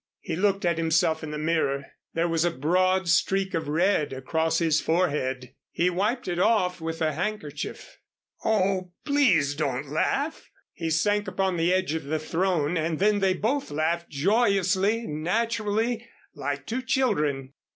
He looked at himself in the mirror. There was a broad streak of red across his forehead. He wiped it off with a handkerchief. "Oh, please don't laugh." He sank upon the edge of the throne, and then they both laughed joyously, naturally, like two children.